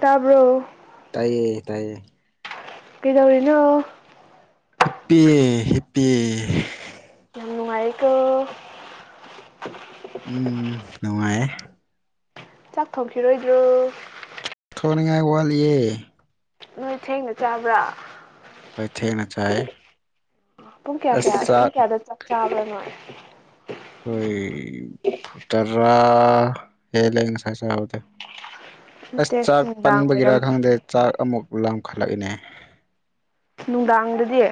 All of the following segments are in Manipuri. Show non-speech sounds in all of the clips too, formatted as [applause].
ꯇꯥꯕ꯭ꯔꯣ ꯇꯥꯏꯌꯦ ꯇꯥꯏꯌꯦ ꯀꯩꯗꯧꯔꯤꯅꯣ ꯍꯤꯞꯄꯤ ꯍꯤꯞꯄꯤ ꯌꯦ ꯌꯥꯝ ꯅꯨꯡꯉꯥꯏꯔꯦꯀꯣ ꯎꯝ ꯅꯨꯡꯉꯥꯏꯌꯦ ꯆꯥꯛ ꯊꯣꯡꯈꯤꯔꯣꯏꯗ꯭ꯔꯣ ꯊꯣꯡꯅꯤꯡꯉꯥꯏ ꯋꯥꯠꯂꯤꯌꯦ ꯅꯣꯏ ꯊꯦꯡꯅ ꯆꯥꯕ꯭ꯔꯥ ꯍꯣꯏ ꯊꯦꯡꯅꯥ ꯆꯥꯏ ꯄꯨꯡ ꯀꯌꯥ ꯑꯁ ꯀꯌꯥ ꯄꯨꯡ ꯆꯥꯛ ꯀꯌꯥꯗ ꯆꯥꯛ ꯆꯥꯕꯔꯥ ꯅꯣꯏ ꯈꯣꯏ ꯇꯔꯥ ꯍꯦꯟꯂꯦ ꯉꯁꯥꯏ ꯆꯥꯕꯥꯗꯣ ꯑꯁ ꯅꯠꯇꯦ ꯆꯥꯛ ꯅꯨꯡꯗꯥꯡ ꯄꯟꯕꯒꯤꯔꯥ ꯋꯥꯏꯔꯝ ꯈꯪꯗꯦ ꯆꯥꯛ ꯑꯃꯨꯛ ꯂꯥꯝꯈꯠꯂꯛꯑꯦꯅꯦ ꯅꯨꯡꯗꯥꯡꯗꯗꯤ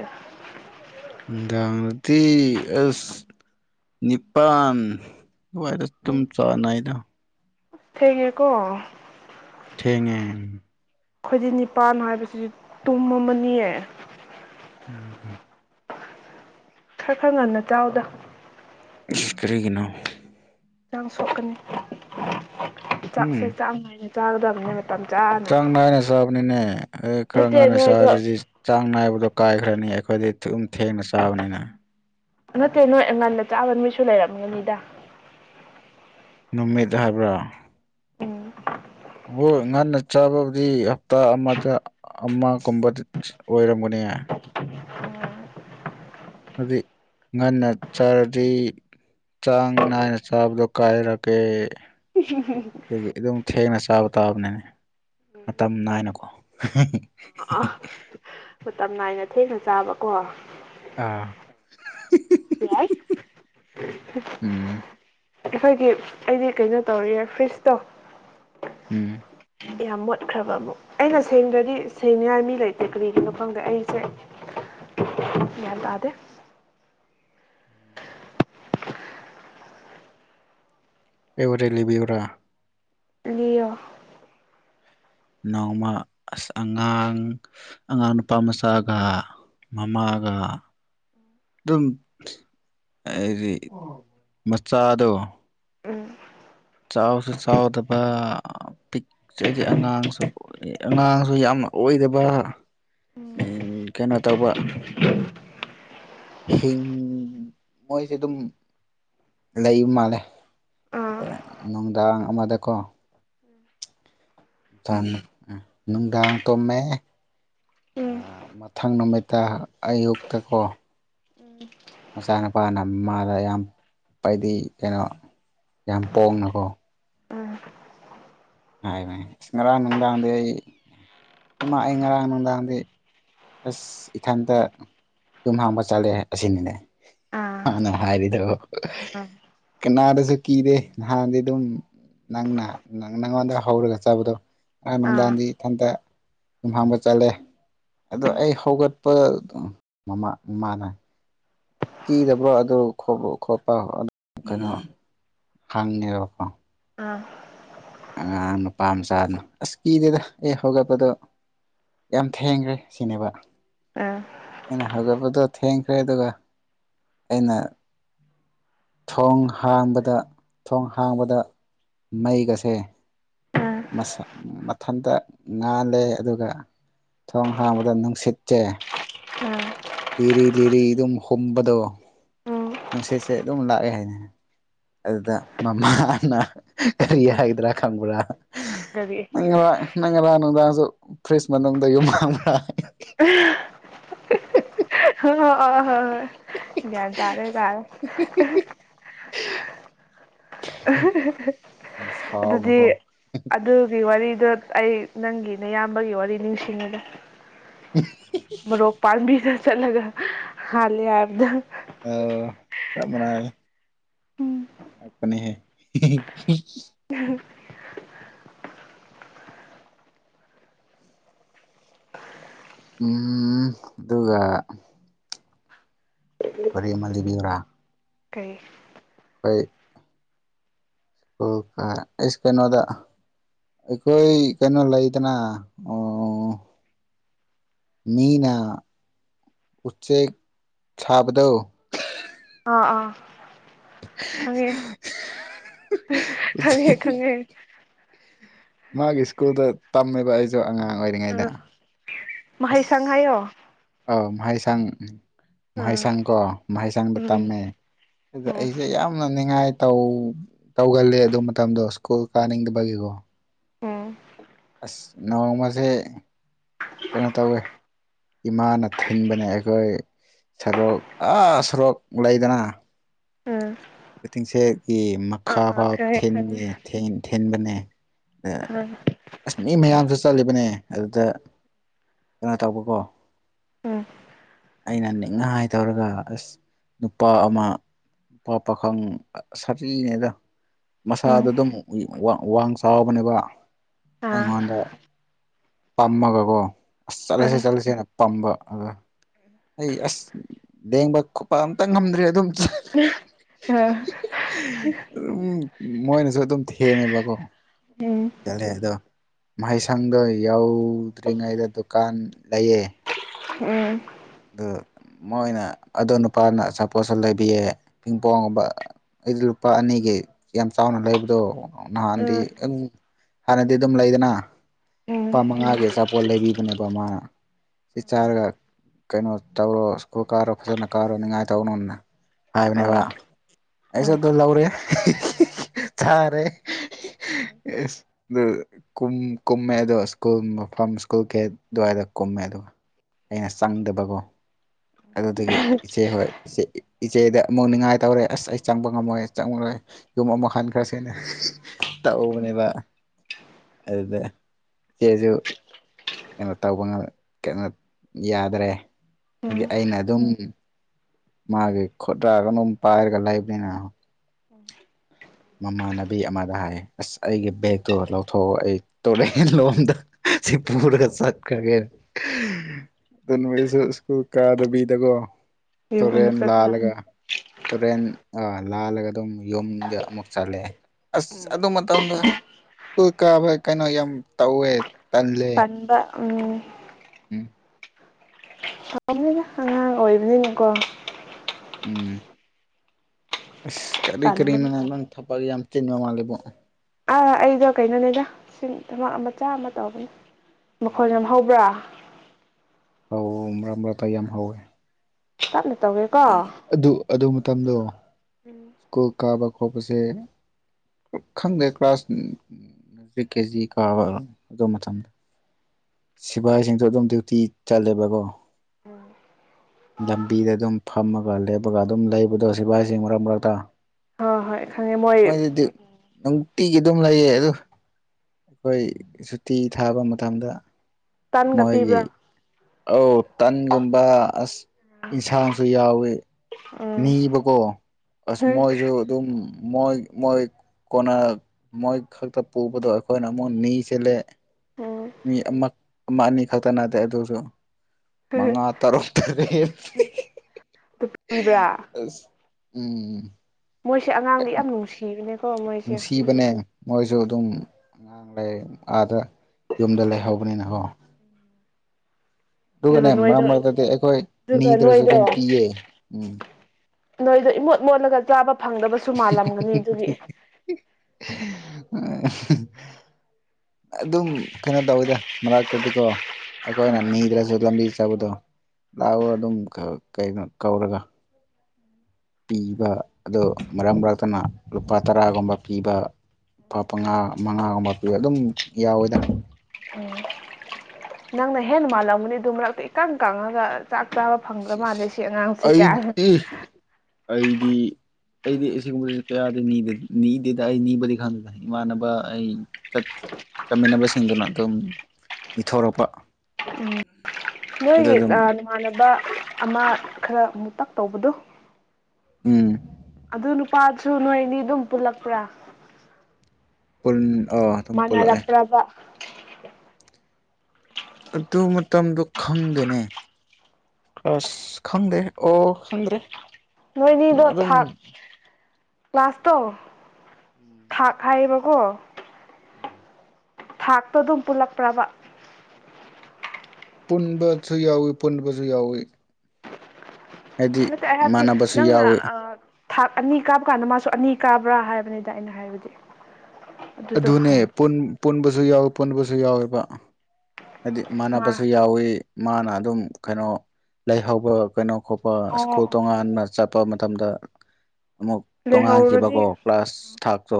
ꯅꯨꯡꯗꯥꯡꯗꯥꯗꯤ ꯑꯁ ꯅꯤꯄꯥꯟ ꯑꯗꯨꯋꯥꯏꯗ ꯑꯗꯨꯝ ꯆꯥꯟꯅꯩꯗ ꯊꯦꯡꯉꯦꯀꯣ ꯊꯦꯡꯉꯦ ꯑꯩꯈꯣꯏꯗꯤ ꯅꯤꯄꯥꯟ ꯍꯥꯏꯕꯁꯤꯗꯤ ꯇꯨꯝꯃꯝꯃꯥꯅꯤꯌꯦ ꯎꯝ ꯎꯝ ꯈꯔꯥ ꯈꯔꯥ ꯉꯥꯟꯅ ꯆꯥꯎꯗ ꯏꯁ ꯀꯔꯤꯒꯤꯅꯣ ꯍꯛꯆꯥꯡ ꯁꯣꯛꯀꯅꯤ ꯎꯝ ꯆꯥꯛꯁꯦ ꯆꯥꯡ ꯅꯥꯏꯅ ꯆꯥꯒꯗꯕꯅꯦ ꯃꯇꯝ ꯆꯥꯅ ꯆꯥꯡ ꯅꯥꯏꯅ ꯆꯥꯕꯅꯤꯅꯦ ꯈꯔ ꯅꯠꯇꯦ ꯉꯟꯅꯥ ꯅꯣꯏꯗꯣ ꯆꯥꯗ꯭ꯔꯗꯤ ꯆꯥꯡ ꯅꯥꯏꯕꯗꯣ ꯀꯥꯏꯈ꯭ꯔꯅꯤ ꯑꯩꯈꯣꯏꯗꯤ ꯗꯨꯝ ꯊꯦꯡꯅ ꯆꯥꯕꯅꯤꯅ ꯅꯠꯇꯦ ꯅꯣꯏ ꯉꯥꯟꯅ ꯆꯥꯕ ꯃꯤꯠꯁꯨ ꯂꯩꯔꯝꯒꯅꯤꯗ ꯅꯨꯃꯤꯠ ꯍꯥꯏꯕꯔꯣ ꯎꯝ ꯑꯒꯣꯏ ꯉꯥꯟꯅ ꯆꯥꯕꯕꯨꯗꯤ ꯍꯞꯇꯥ ꯑꯃꯗ ꯑꯃꯥ ꯒꯨꯝꯕ ꯑꯣꯏꯔꯝꯒꯅꯤ ꯉꯟꯅꯥ ꯆꯥꯔꯗꯤ ꯆꯥꯡ ꯅꯥꯏꯅ ꯆꯥꯕꯗꯣ ꯀꯥꯏꯔꯑꯦ [unintelligible] ꯑꯗꯒꯤ ꯑꯗꯨꯝ ꯊꯦꯡꯅ ꯆꯥꯕ ꯇꯥꯕꯅꯤꯅ ꯃꯇꯝ ꯅꯥꯏꯅꯀꯣ ꯑ ꯃꯇꯝ ꯅꯥꯏꯅ ꯊꯦꯡꯅ ꯆꯥꯕꯀꯣ ꯑꯥ ꯌꯥꯏ ꯎꯝ ꯑꯈꯣꯏꯒꯤ ꯑꯩꯗꯤ ꯀꯩꯅꯣ ꯇꯧꯔꯤꯌꯦ ꯐ꯭ꯔꯤꯖꯇꯣ ꯎꯝ ꯌꯥꯝ ꯃꯣꯠꯈ꯭ꯔꯕ ꯑꯃꯨꯛ ꯑꯩꯅ ꯁꯦꯡꯗ꯭ꯔꯗꯤ ꯁꯦꯡꯅꯤꯉꯥꯏ ꯃꯤ ꯂꯩꯇꯦ ꯀꯔꯤꯒꯤꯅꯣ ꯈꯪꯗꯦ ꯑꯩꯁꯦ ꯒ꯭ꯌꯥꯟ ꯇꯥꯗꯦ ꯑꯩ ꯋꯥꯔꯤ ꯂꯤꯕꯤꯌꯨꯔꯥ ꯂꯤꯌꯣ ꯅꯣꯡꯃ ꯑꯁ ꯑꯉꯥꯡ ꯑꯉꯥꯡ ꯅꯨꯄꯥ ꯃꯆꯥꯒ ꯃꯃꯥꯒ ꯑꯗꯨꯝ ꯍꯥꯏꯗꯤ ꯃꯆꯥꯗꯣ ꯎꯝ ꯆꯥꯎꯁꯨ ꯆꯥꯎꯗꯕ ꯄꯤꯛꯆꯁꯦ ꯑꯉꯥꯡꯁꯨ ꯑꯉꯥꯡꯁꯨ ꯌꯥꯝꯅ ꯑꯣꯏꯗꯕ ꯀꯩꯅꯣ ꯇꯧꯕ ꯍꯤꯡ ꯃꯣꯏꯁꯦ ꯑꯗꯨꯝ ꯂꯩꯕ ꯃꯥꯜꯂꯦ ꯑꯥ ꯅꯨꯡꯗꯥꯡ ꯑꯃꯗꯀꯣ [inaudible] [unintelligible] ꯅꯨꯡꯗꯥꯡ ꯇꯨꯝꯃꯦ ꯎꯝ ꯃꯊꯪ ꯅꯨꯃꯤꯠꯇ ꯑꯌꯨꯛꯇꯀꯣ ꯎꯝ ꯃꯆꯥꯅꯨꯄꯥꯅ ꯃꯃꯥꯗ ꯌꯥꯝ ꯑꯩꯗꯤ ꯀꯩꯅꯣ ꯌꯥꯝ ꯄꯣꯡꯅꯀꯣ ꯎꯝ ꯍꯥꯏꯕꯅꯦ ꯉꯔꯥꯡ ꯅꯨꯡꯗꯥꯡꯗꯤ ꯑꯩ ꯏꯃꯥ ꯑꯩ ꯉꯔꯥꯡ ꯅꯨꯡꯗꯥꯡꯗꯤ ꯑꯁ ꯏꯊꯟꯇ ꯌꯨꯝ ꯍꯥꯡꯕ ꯆꯠꯂꯦ ꯑꯁꯤꯅꯤꯅꯦ ꯑꯥ ꯃꯥꯅ ꯍꯥꯏꯔꯤꯗꯣ ꯎꯝ ꯀꯅꯥꯗꯁꯨ ꯀꯤꯗꯦ ꯅꯍꯥꯟꯗꯤ ꯑꯗꯨꯝ ꯅꯪꯅ ꯅꯪꯉꯣꯟꯗ ꯍꯧꯔꯒ ꯆꯥꯕꯗꯣ ꯑ ꯑꯥ ꯅꯨꯡꯗꯥꯡꯗꯤ ꯏꯊꯟꯇ ꯌꯨꯝꯍꯥꯡꯕ ꯆꯠꯂꯦ ꯑꯗꯣ ꯎꯝ ꯑꯩ ꯍꯧꯒꯠꯄ ꯃꯃꯥ ꯃꯃꯥꯅ ꯀꯤꯗꯕꯔꯣ ꯑꯗꯨ ꯈꯣꯠꯄ ꯀꯩꯅꯣ ꯍꯪꯉꯦꯕꯀꯣ ꯑꯥ ꯑꯉꯥꯡ ꯅꯨꯄꯥ ꯃꯆꯥꯗꯨꯅ ꯑꯁ ꯀꯤꯗꯦꯗ ꯑꯩ ꯍꯧꯒꯠꯄꯗꯣ ꯌꯥꯝ ꯊꯦꯡꯈ꯭ꯔꯦ ꯁꯤꯅꯦꯕ ꯑꯥ ꯑꯩꯅ ꯍꯧꯒꯠꯄꯗꯣ ꯊꯦꯡꯈ꯭ꯔꯦ ꯑꯗꯨꯒ ꯑꯩꯅ ꯊꯣꯡ ꯍꯥꯡꯕꯗ ꯊꯣꯡ ꯍꯥꯡꯕꯗ ꯃꯩꯒꯁꯦ ꯃꯁꯥ ꯃꯊꯟꯇ ꯉꯥꯜꯂꯦ ꯑꯗꯨꯒ ꯊꯣꯡ ꯍꯥꯥꯡꯕꯗ ꯅꯨꯡꯁꯤꯠꯁꯦ [unintelligible] ꯂꯤꯔꯤ ꯂꯤꯔꯤ ꯑꯗꯨꯝ ꯍꯨꯝꯕꯗꯣ ꯎꯝ ꯅꯨꯡꯁꯤꯠꯁꯦ ꯑꯗꯨꯝ ꯂꯥꯛꯑꯦ ꯍꯥꯏꯅꯦ ꯑꯗꯨꯗ ꯃꯃꯥꯅ ꯀꯔꯤ ꯎꯝ ꯍꯥꯏꯗ꯭ꯔꯥ ꯈꯪꯕ꯭ꯔꯥ ꯀꯔꯤ [unintelligible] ꯏꯃꯥ ꯉꯔꯥꯡ ꯅꯨꯡꯗꯥꯡꯁꯨ ꯐ꯭ꯔꯤꯖ ꯃꯅꯨꯡꯗ ꯌꯨꯝ ꯍꯥꯡꯕ꯭ꯔ [unintelligible] ꯒ꯭ꯌꯥꯟ ꯇꯥꯔꯦ ꯇꯥꯔꯦ ꯌꯥꯝ ꯑꯗꯨꯗꯤ ꯁꯥꯎꯅꯀꯣ ꯑꯗꯨꯒꯤ ꯋꯥꯔꯤꯗꯣ ꯑꯩ ꯅꯪꯒꯤ ꯅꯌꯥꯝꯕꯒꯤ ꯋꯥꯔꯤ ꯅꯤꯡꯁꯤꯡꯉꯤꯗ [unintelligible] ꯃꯣꯔꯣꯛ ꯄꯥꯝꯕꯤꯗ ꯆꯠꯂꯒ ꯍꯥꯂꯦ ꯍꯥꯏꯕꯗꯣ [unintelligible] ꯎꯝ [unintelligible] ꯎꯝ-ꯝ- ꯝ ꯑꯗꯨꯒ_ _ ꯍꯣꯔꯦ ꯑꯅꯥ ꯂꯩꯕꯤꯌꯨꯔ꯫ ꯀꯩꯏ_ _ ꯍꯣꯏ꯫ ꯑꯣ ꯀ ꯑꯦꯁ ꯀꯩꯅꯣꯗ ꯑꯩꯈꯣꯏ ꯀꯩꯅꯣ ꯂꯩꯗꯅ ꯑꯣ_ _ ꯃꯤꯅ ꯎꯆꯦꯛ ꯁꯥꯕꯗꯧ꯫ ꯑꯥ ꯑꯥ ꯈꯪꯉꯦ꯫ ꯈꯪꯉꯦ ꯈꯪꯉꯦ꯫ ꯃꯥꯒꯤ ꯁ꯭ꯀꯨꯜꯗ ꯇꯝꯃꯦꯕ ꯑꯩꯖꯨ ꯑꯉꯥꯡ ꯑꯣꯏꯔꯤꯉꯩꯗ ꯑꯥ ꯑꯁ꯫ ꯃꯍꯩꯁꯪ ꯍꯥꯏꯌꯣ ꯑꯣ ꯃꯍꯩꯁꯡ ꯑꯥ ꯃꯍꯩꯁꯡ ꯀꯣ ꯃꯍꯩꯁꯡꯗ ꯎꯝ ꯇꯝꯃꯦ꯫ ꯑꯗꯨꯒ ꯎꯝ ꯑꯩꯖꯦ ꯌꯥꯝꯅ ꯅꯤꯉꯥꯏ ꯇꯧ ꯇꯧꯒꯜꯂꯦ ꯑꯗꯨ ꯃꯇꯝꯗꯣ ꯁ꯭ꯀꯨꯜ ꯀꯥꯅꯤꯡꯗꯕꯒꯤꯀꯣ꯫ ꯎꯝ꯫ ꯑꯁ ꯅꯣꯡꯃꯖꯦ_ _ ꯀꯩꯅꯣ ꯇꯧꯋꯦ ꯏꯃꯥꯅ ꯊꯤꯟꯕꯅꯦ ꯑꯩꯈꯣꯏ꯫ ꯁꯔꯣꯛ ꯑꯥ ꯁꯣꯔꯣꯛ ꯂꯩꯗꯅ꯫ ꯎꯝ꯫ ꯋꯇꯤꯡꯁꯦꯠꯒꯤ ꯑꯥ ꯃꯈꯥ ꯑꯥ ꯐꯥꯎ ꯈꯪꯉꯦ ꯈꯪꯉꯦ ꯊꯤꯟꯂꯦ ꯊꯦꯟ ꯊꯤꯟꯕꯅꯦ꯫ ꯑ ꯑꯥ ꯑꯁ ꯃꯤ ꯃꯌꯥꯝꯖꯨ ꯆꯠꯂꯤꯕꯅꯦ ꯑꯗꯨꯗ ꯀꯩꯅꯣ ꯇꯧꯕꯀꯣ꯫ ꯎꯝ꯫ ꯑꯩꯅ ꯅꯤꯡꯉꯥꯏ ꯇꯧꯔꯒ ꯑꯁ ꯅꯨꯄꯥ ꯑꯃ_ _ ꯑꯣ ꯄꯥꯈꯪ ꯁꯥꯊꯤꯅꯦꯗ꯫ ꯎꯝ ꯃꯁꯥꯗ ꯑꯗꯨꯝ ꯋ- ꯋꯥꯡ ꯆꯥꯎꯕꯅꯦꯕ ꯑꯥ ꯑꯥ ꯑꯥ ꯑꯩꯉꯣꯟꯗ_ _ ꯄꯝꯃꯒꯀꯣ ꯑꯁ ꯆꯠꯂꯁꯦ ꯆꯠꯂꯁꯦꯅ_ _ ꯄꯝꯕ ꯑꯗ ꯑꯩ ꯑꯁ ꯂꯦꯡꯕ ꯈꯣꯄ ꯑꯝꯇ ꯉꯝꯗ꯭ꯔꯦ ꯑꯗꯨꯝ ꯆꯠ ꯄꯥ_ _ [unintelligible] ꯎꯝ ꯃꯣꯏꯅꯖꯨ ꯑꯗꯨꯝ ꯊꯦꯝꯃꯦꯕꯀꯣ꯫ ꯎꯝ꯫ ꯆꯠꯂꯦ ꯑꯗꯣ ꯃꯍꯩꯁꯪꯗꯣ ꯌꯧꯗ꯭ꯔꯤꯉꯩꯗ ꯗꯨꯀꯥꯟ ꯂꯩꯌꯦ꯫ ꯎꯝ꯫ ꯑꯗꯨ ꯃꯣꯏꯅ ꯑꯗꯣ ꯅꯨꯄꯥꯅ ꯑꯆꯥꯄꯣꯠꯁꯨ ꯂꯩꯕꯤꯌꯦ ꯄꯤꯡꯄꯣꯡꯒꯨꯝꯕ꯫ ꯑꯩꯗꯤ ꯂꯨꯄꯥ ꯑꯅꯤꯒꯤ ꯌꯥꯝ ꯆꯥꯎꯅ ꯂꯩꯕꯗꯣ ꯎꯝ ꯅꯍꯥꯟꯗꯤ ꯑꯪ_ _ ꯍꯥꯟꯅꯗꯤ ꯑꯗꯨꯝ ꯂꯩꯗꯅ ꯎꯝ ꯂꯨꯄꯥ ꯃꯉꯥꯒꯤ ꯑꯆꯥꯄꯣꯠ ꯂꯩꯕꯤꯕꯅꯦꯕ ꯃꯥꯅ꯫ ꯁꯤ ꯆꯥꯔꯒ ꯀꯩꯅꯣ ꯇꯧꯔꯣ ꯁ꯭ꯀꯨꯜ ꯀꯥꯔꯣ ꯐꯖꯅ ꯀꯥꯔꯣ ꯅꯤꯉꯥꯏ ꯇꯧꯅꯣꯅ꯫ ꯍꯥꯏꯕꯅꯦꯕ ꯎꯝ ꯑꯩꯁꯨ ꯎꯝ ꯑꯗꯨ ꯂꯧꯔꯦ [unintelligible] ꯆꯥꯔꯦ꯫ [unintelligible] ꯃꯦꯗꯣ ꯁ꯭ꯀꯨꯜ ꯃꯐꯝ ꯁ꯭ꯀꯨꯜ ꯒꯦꯠ ꯗ꯭ꯋꯥꯏꯗ ꯀꯨꯝꯃꯦ ꯑꯗꯨ ꯑꯩꯅ ꯆꯪꯗꯕꯀꯣ꯫ ꯑꯗꯨꯗꯒꯤ ꯏꯆꯦ ꯍꯣꯏ ꯏꯆꯦ ꯏꯆꯦꯗ ꯑꯃꯨꯛ ꯅꯤꯉꯥꯏ ꯇꯧꯔꯦ ꯑꯁ ꯑꯩ ꯆꯪꯕ ꯉꯝꯃꯣꯏ ꯆꯪꯉ꯭ꯔꯣꯏ꯫ ꯌꯨꯝ ꯑꯃꯨꯛ ꯍꯟꯈ꯭ꯔꯁꯦꯅ [unintelligible] ꯇꯧꯕꯅꯦꯕ꯫ ꯑꯗꯨꯗ ꯆꯦꯖꯨ_ _ ꯀꯩꯅꯣ ꯇꯧꯕꯉ ꯀꯩꯅꯣ ꯌꯥꯗ꯭ꯔꯦ꯫ ꯎꯝ ꯁꯤꯗꯤꯑꯩꯅ ꯑꯗꯨꯝ_ _ ꯃꯥꯒꯤ ꯈꯣꯠꯇꯒ ꯑꯗꯨꯝ ꯄꯥꯏꯔꯒ ꯂꯩꯕꯅꯤꯅ_ _ [inaudible] ꯃꯃꯥꯟꯅꯕꯤ ꯑꯃꯗ ꯍꯥꯏ ꯑꯁ ꯑꯩꯒꯤ ꯕꯦꯒꯇꯣ ꯂꯧꯊꯣꯛꯑꯣ ꯑꯩ ꯇꯨꯔꯦꯜ ꯂꯣꯝꯗ_ _ ꯁꯤ ꯄꯨꯔꯥ ꯆꯠꯈꯔꯥꯒꯦ꯫ [unintelligible] ꯁ꯭ꯀꯨꯜ ꯀꯥꯗꯕꯤꯗꯒꯣ ꯌꯨꯝ ꯇꯨꯔꯦꯟ ꯑꯃꯨꯛ ꯆꯠꯄ ꯂꯥꯜꯂꯒ_ _ ꯇꯨꯔꯦꯟ ꯑ ꯂꯥꯜꯂꯒ ꯑꯗꯨꯝ ꯌꯨꯝꯗ ꯑꯃꯨꯛ ꯆꯠꯂꯦ ꯑꯁ ꯎꯝ ꯑꯗꯨ ꯃꯇꯝꯗꯣ_ _ ꯁꯀꯨꯜ ꯀꯥꯕ ꯀꯩꯅꯣ ꯌꯥꯝ ꯇꯧꯋꯦ ꯇꯜꯂꯦ꯫ ꯕ ꯎꯝ ꯎꯝ [unintelligible] ꯑꯉꯥꯡ ꯑꯣꯏꯕ ꯅꯤꯅꯀꯣ ꯎꯝ ꯑꯁ ꯀꯔꯤ ꯀꯔꯤ ꯇꯟꯕ ꯅꯣꯅ ꯃꯇꯝ ꯅꯪ ꯊꯛꯕꯛ ꯌꯥꯝ ꯆꯤꯟꯕ ꯃꯥꯜꯂꯦꯕꯣ ꯑ ꯑꯩꯗꯣ ꯀꯩꯅꯣꯅꯦꯗ ꯁꯤ ꯊꯕꯛ ꯃꯆꯥ ꯑꯃ ꯇꯧꯕꯅꯦ ꯃꯈꯣꯟ ꯌꯥꯝ ꯍꯧꯕ꯭ꯔꯥ ꯍꯥꯎ ꯃꯔꯥꯛ ꯃꯔꯥꯛꯇ ꯌꯥꯝ ꯍꯧꯋꯦ ꯇꯞꯅ ꯇꯧꯒꯦꯀꯣ ꯑꯗꯨ ꯑꯗꯨ ꯃꯇꯝꯗꯣ [unintelligible] ꯁ꯭ꯀꯨꯜ ꯀꯥꯕ ꯈꯣꯠꯄꯁꯦ ꯈꯪꯗꯦ ꯀ꯭ꯂꯥꯁ ꯀꯦꯖꯤ ꯀꯥꯕꯔꯥ ꯑꯗꯨ ꯃꯇꯝꯗ ꯁꯤꯐꯥꯏꯁꯤꯡꯁꯨ ꯑꯗꯨꯝ ꯗ꯭ꯌꯨꯇꯤ ꯆꯠꯂꯦꯕꯀꯣ ꯂꯝꯕꯤꯗ ꯑꯗꯨꯝ ꯐꯥ ꯐꯝꯃꯒ ꯂꯦꯞꯄꯒ ꯑꯗꯨꯝ ꯂꯩꯕꯗꯣ ꯁꯤꯐꯥꯏꯁꯤꯡ ꯃꯔꯛ ꯃꯔꯛꯇ ꯍꯣꯏ ꯍꯣꯏ ꯈꯪꯉꯦ ꯃꯣꯏ ꯃꯣꯏꯗꯗꯤ ꯅꯨꯡꯇꯤꯒꯤ ꯑꯗꯨꯝ ꯂꯩꯌꯦ ꯑꯗꯨ ꯑꯩꯈꯣꯏ ꯁꯨꯇꯤ ꯊꯥꯕ ꯃꯇꯝꯗ ꯇꯟꯒ ꯃꯣꯏꯒꯤ ꯄꯤꯕ꯭ꯔꯥ ꯑꯧ ꯇꯟꯒꯨꯝꯕ ꯑꯁ ꯌꯦꯟꯁꯥꯡꯁꯨ ꯌꯥꯎꯋꯤ ꯎꯝ ꯅꯤꯕꯀꯣ ꯑꯁ ꯃꯣꯏꯁꯨ ꯑꯗꯨꯝ ꯃꯣꯏ ꯃꯣꯏ ꯀꯣꯟꯅ ꯃꯣꯏ ꯈꯛꯇ ꯄꯨꯕꯗꯣ ꯑꯩꯈꯣꯏꯅ ꯑꯃꯨꯛ ꯅꯤꯁꯤꯜꯂꯦ ꯎꯝ ꯃꯤ ꯑꯃ ꯑꯃ ꯑꯅꯤ ꯈꯛꯇ ꯅꯥꯠꯇꯦ ꯑꯗꯨꯁꯨ ꯃꯉꯥ ꯑꯗꯨ ꯇꯔꯨꯛ ꯇꯥꯔꯦꯠ ꯄꯤꯕ꯭ꯔꯥ ꯎꯝ ꯃꯣꯏꯁꯦ ꯑꯉꯥꯡꯗꯤ ꯌꯥꯝ ꯅꯨꯡꯁꯤꯕꯅꯦ ꯅꯨꯡꯁꯤꯕꯅꯦ ꯃꯣꯏꯁꯨ ꯑꯗꯨꯝ ꯑꯉꯥꯡ ꯂꯩ ꯑꯥꯗ ꯌꯨꯝꯗ ꯂꯩꯍꯧꯕꯅꯤꯅꯀꯣ ꯑꯗꯨꯒꯅꯦ ꯑꯗꯨꯒ ꯃꯔꯝ ꯅꯣꯏꯗꯣ ꯃꯔꯛꯇꯗꯤ ꯑꯩꯈꯣꯏ ꯑꯗꯨꯒ ꯅꯤꯗ꯭ꯔꯁꯨ ꯅꯣꯏꯗꯣ ꯑꯗꯨꯝ ꯄꯤꯌꯦ ꯎꯝ ꯅꯣꯏꯗꯣ ꯏꯃꯣꯠ ꯃꯣꯠꯂꯒ ꯆꯥꯕ ꯐꯪꯗꯕꯁꯨ ꯃꯥꯜꯂꯝꯒꯅꯤ ꯑꯗꯨꯒꯤ [unintelligible] ꯑꯗꯨꯝ ꯀꯩꯅꯣ ꯇꯧꯋꯤꯗ ꯃꯔꯛꯇꯗꯤꯀꯣ ꯑꯩꯈꯣꯏꯅ ꯅꯤꯗ꯭ꯔꯁꯨ ꯂꯝꯕꯤ ꯆꯠꯕꯗꯣ ꯂꯥꯛꯑꯣ ꯑꯗꯨꯝ ꯀꯣ ꯀꯧꯔꯒ ꯄꯤꯕ ꯑꯗꯣ ꯃꯔꯛ ꯃꯔꯛꯇꯅ ꯂꯨꯄꯥ ꯇꯔꯥꯒꯨꯝꯕ ꯄꯤꯕ ꯄꯥꯄꯥꯉꯥ ꯃꯉꯥꯒꯨꯝꯕ ꯄꯤꯕ ꯑꯗꯨꯝ ꯌꯥꯎꯋꯦꯗ [unintelligible] ꯅꯪꯅ ꯍꯦꯟꯅ ꯃꯥꯜꯂꯝꯒꯅꯤ ꯑꯗꯨ ꯃꯔꯛꯇ ꯏꯀꯪ ꯀꯪꯉꯒ ꯆꯥꯛ ꯆꯥꯕ ꯐꯪꯗ꯭ꯔ ꯃꯥꯜꯂꯦ ꯁꯤ ꯑꯉꯥꯡꯁꯦ ꯀꯥꯢꯅ ꯑꯩꯗꯤ ꯑꯩꯗꯤ ꯑꯩꯗꯤ ꯑꯁꯤꯒꯨꯝꯕ ꯀꯌꯥꯗꯤ ꯅꯤꯗꯦꯗ ꯑꯩ ꯅꯤꯕꯗꯤ ꯈꯪꯗꯦ ꯏꯃꯥꯟꯅꯕ ꯑꯩ ꯆꯠ ꯆꯠꯃꯤꯟꯅꯕꯁꯤꯡꯗꯨꯅ ꯑꯗꯨꯝ ꯏꯊꯣꯔꯛꯄ ꯎꯝ ꯅꯣꯏꯒꯤ ꯅꯃꯥꯟꯅꯕ ꯑꯃ ꯈꯔ ꯃꯨꯇꯛ ꯇꯧꯕꯗꯣ ꯎꯝ ꯑꯗꯨ ꯅꯨꯄꯥꯁꯨ ꯅꯣꯏ ꯑꯅꯤ ꯑꯗꯨꯝ ꯄꯨꯜꯂꯛꯄ꯭ꯔꯥ ꯄꯨꯜ ꯑꯣ ꯃꯥꯟꯅꯔꯛꯄ꯭ꯔꯕ ꯑꯗꯨ ꯃꯇꯝꯗꯣ ꯈꯪꯗꯅꯦ ꯑꯁ ꯈꯪꯗꯦ ꯑꯣ ꯈꯪꯗ꯭ꯔꯦ ꯅꯣꯏꯅꯤꯗꯣ ꯑꯗꯨꯝ ꯊꯥꯛ ꯀ꯭ꯂꯥꯁ ꯇꯣ ꯎꯝ ꯊꯥꯛ ꯍꯥꯏꯌꯦꯕꯀꯣ ꯎꯝ ꯊꯥꯛꯇꯣ ꯑꯗꯨꯝ ꯄꯨꯜꯂꯛꯄ꯭ꯔꯕ ꯄꯨꯟꯕꯁꯨ ꯌꯥꯎꯏ ꯄꯨꯟꯕꯁꯨ ꯌꯥꯎꯏ ꯅꯠꯇꯦ ꯑꯩꯅ ꯍꯥꯏꯗꯤ ꯃꯥꯟꯅꯕꯁꯨ ꯅꯪꯅ ꯌꯥꯎꯋꯤ ꯑ ꯊꯥꯛ ꯑꯅꯤ ꯀꯥꯞꯕ ꯀꯥꯟꯗ ꯃꯥꯁꯨ ꯑꯅꯤ ꯀꯥꯕ꯭ꯔꯥ ꯍꯥꯏꯕꯅꯤꯗ ꯑꯩꯅ ꯍꯥꯏꯕꯗꯤ ꯑꯗꯨꯗꯣ ꯑꯗꯨꯅꯦ ꯍꯪꯉꯦ ꯄꯨꯟꯕꯁꯨ ꯌꯥꯎꯋ ꯄꯨꯟꯕꯁꯨ ꯌꯥꯎꯋꯦꯕ ꯍꯥꯏꯗꯤ ꯃꯥ ꯃꯥꯟꯅꯕꯁꯨ ꯌꯥꯎꯋꯤ ꯃꯥꯅ ꯑꯗꯨꯝ ꯀꯩꯅꯣ ꯂꯩꯍꯧꯕ ꯀꯩꯅꯣ ꯈꯣꯄ ꯑꯣ ꯁ꯭ꯀꯨꯜ ꯑꯣ ꯇꯣꯉꯥꯟꯕ ꯆꯠꯄ ꯃꯇꯝꯗ ꯑꯃꯨꯛ ꯇꯣꯡꯉꯥꯟꯈꯤꯕꯀꯣ ꯂꯩꯍꯧꯔꯗꯤ ꯀ꯭ꯂꯥꯁ ꯊꯥꯛꯇꯣ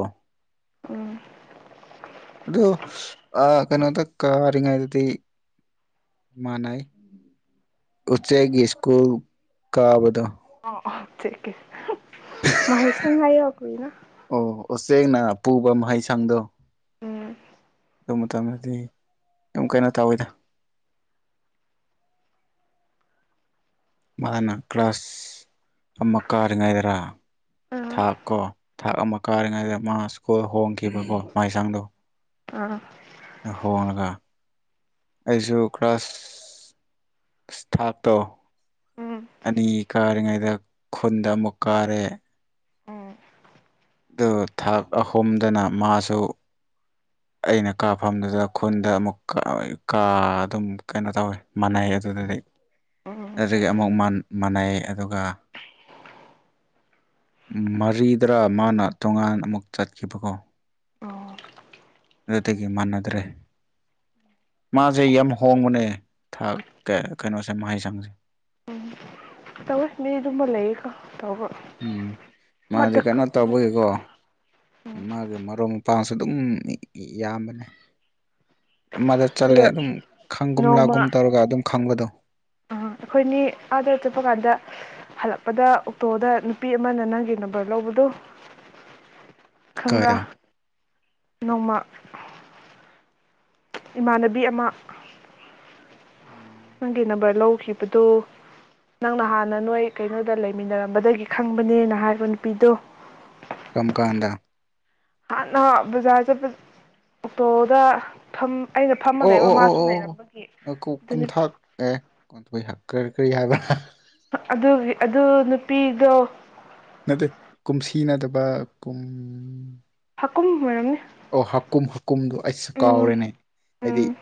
ꯎꯝ ꯑꯗꯣ ꯑ ꯀꯩꯅꯣꯗ ꯀꯔꯤꯉꯩꯗꯗꯤ ꯃꯥꯅꯩ ꯎꯆꯦꯛꯒꯤ ꯁ꯭ꯀꯨꯜ ꯀꯥꯕꯗꯣ ꯑꯣ ꯑꯣ ꯆ ꯀꯦ ꯃꯍꯦꯁꯅ ꯉꯥꯏ ꯀꯏꯅ [unintelligible] ꯑꯣ ꯎꯆꯦꯛꯅ ꯄꯨꯕ ꯃꯍꯩꯁꯪꯗꯣ ꯎꯝ ꯑꯗꯨ ꯃꯇꯝꯗꯗꯤ ꯌꯥꯝ ꯀꯩꯅꯣ ꯇꯧꯋꯤꯗ ꯃꯅ ꯀ꯭ꯂꯥꯁ ꯑꯃ ꯀ ꯑꯂꯤꯉꯥꯏꯗꯔ ꯎꯝ ꯊꯥꯛ ꯀꯣ ꯊꯥꯛ ꯑꯃ ꯀꯥꯔꯤꯉꯩꯗ ꯃꯥ ꯁ꯭ꯀꯨꯜ ꯍꯣꯡꯈꯤꯕꯀꯣ ꯃꯥꯏꯁꯥꯡꯗꯣ ꯑꯥ ꯍꯣꯉꯒ ꯑꯩꯁꯨ ꯀ꯭ꯂꯥꯁ ꯁ ꯊꯥꯛꯇꯣ ꯎꯝ ꯑꯅꯤ ꯀꯥꯔꯤꯉꯩꯗ ꯈꯨꯟꯗ ꯑꯃꯨꯛ ꯀꯥꯔꯦ ꯎꯝ ꯑꯗꯨ ꯊꯥꯛ ꯑꯍꯨꯝꯗꯅ ꯃꯥꯁꯨ [unintelligible] ꯑꯩꯅ ꯀꯥꯐꯝꯗꯨꯗ ꯈꯨꯟꯗ ꯑꯃꯨꯛ ꯀꯥ ꯑꯗꯨꯝ ꯀꯩꯅꯣ ꯇꯧꯋꯦ ꯃꯅꯥꯩ ꯑꯗꯨꯗꯗꯤ ꯑꯗꯨꯗꯒꯤ ꯑꯃꯨꯛ ꯃꯥꯟꯅꯩ ꯑꯗꯨꯒ ꯃꯔꯤꯗ꯭ꯔꯥ ꯃꯥꯅ ꯇꯣꯉꯥꯟ ꯑꯃꯨꯛ ꯆꯠꯈꯤꯕꯀꯣ ꯑꯣ ꯑꯗꯨꯗꯒꯤ ꯃꯥꯟꯅꯗ꯭ꯔꯦ ꯃꯥꯁꯦ ꯌꯥꯝ ꯍꯣꯡꯕꯅꯦ ꯊꯥꯛ ꯀꯩꯅꯣꯁꯦ ꯃꯍꯩꯁꯪꯁꯦ ꯎꯝ ꯇꯧꯋꯦ ꯃꯤ ꯑꯗꯨꯝꯕ ꯂꯩꯌꯦꯀꯣ ꯇꯧꯕ ꯎꯝ ꯃꯥꯗꯤ ꯑꯃꯗꯀ ꯀꯩꯅꯣ ꯇꯧꯕꯒꯤꯀꯣ ꯑꯃꯗꯀ ꯎꯝ ꯃꯥꯒꯤ ꯃꯔꯨꯝ ꯄꯥꯎꯁꯨ ꯑꯗꯨꯝ ꯌꯥꯝꯌꯥꯝꯕꯅꯦ ꯑꯃꯗ ꯆꯠꯂꯦ ꯑꯗꯨꯒ ꯑꯗꯨꯝ ꯈꯪꯒꯨꯝ ꯂꯥꯛꯒꯨꯝ ꯇꯧꯔꯒ ꯑꯗꯨꯝ ꯈꯪꯕꯗꯣ ꯑ ꯑꯩꯈꯣꯏꯅꯤ ꯑꯥꯗꯔ ꯆꯨꯞꯄ ꯀꯥꯟꯗ ꯍꯜꯂꯛꯄꯗ ꯑꯣꯛꯇꯣꯗ ꯅꯨꯄꯤ ꯑꯃꯅ ꯅꯪꯒꯤ ꯅꯝꯕꯔ ꯂꯧꯕꯗꯣ ꯈꯪꯕ꯭ꯔꯥ ꯀꯥꯏꯗ ꯅꯣꯡꯃ ꯏꯃꯥꯟꯅꯕꯤ ꯑꯃ ꯎꯝ ꯅꯪꯒꯤ ꯅꯝꯕꯔ ꯂꯧꯈꯤꯕꯗꯨ ꯅꯪꯅ ꯍꯥꯟꯅ ꯅꯣꯏ ꯀꯩꯅꯣꯗ ꯂꯩꯃꯤꯟꯅꯔꯝꯕꯗꯒꯤ ꯈꯪꯕꯅꯦꯅ ꯍꯥꯏꯕ ꯅꯨꯄꯤꯗꯣ ꯀꯝ ꯀꯥꯟꯗ ꯍꯥꯟꯅ ꯕꯖꯥꯔ ꯆꯠꯄ ꯑꯣꯛꯇꯣꯗ ꯐ ꯑꯩꯅ ꯐꯝꯃ ꯑꯣ ꯂꯩꯕ ꯑꯣ ꯃꯥꯁꯨ ꯑꯣ ꯂꯩꯔꯝꯕꯒꯤ ꯑꯣ ꯑꯗꯨꯅꯤ ꯀꯨꯝꯊꯥꯛ ꯑꯦ ꯀꯣꯟꯊꯩ ꯍꯛ ꯀꯔꯤ ꯀꯔꯤ ꯍꯥꯏꯕ ꯑꯗꯨꯒꯤ ꯑꯗꯨ ꯅꯨꯄꯤꯗꯣ ꯅꯠꯇꯦ ꯀꯨꯝꯁꯤ ꯅꯥꯠꯗꯕ ꯀꯨꯝ ꯍꯥꯀꯨꯝ ꯑꯣꯏꯔꯝꯅꯤ꯫ ꯑꯣ ꯍꯥꯀꯨꯝ ꯍꯥꯀꯨꯝꯗꯣ ꯑꯩꯁꯨ ꯎꯝ ꯀꯥꯎꯔꯦꯅꯦ ꯍꯥꯏꯗꯤ ꯎꯝ